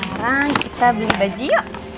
sekarang kita beli baju yuk